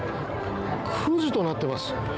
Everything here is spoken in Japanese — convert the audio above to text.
９時となっています。